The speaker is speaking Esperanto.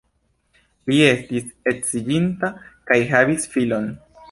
Li estis edziĝinta kaj havis filon.